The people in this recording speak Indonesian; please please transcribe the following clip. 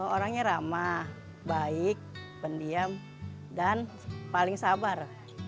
orangnya ramah baik pendiam dan paling sabar